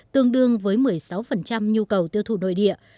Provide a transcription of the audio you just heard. tương đương với một mươi sáu nhu cầu tiêu thụ nội địa